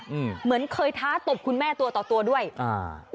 อืมเหมือนเคยท้าตบคุณแม่ตัวต่อตัวด้วยอ่า